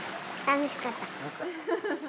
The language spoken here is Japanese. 楽しかった。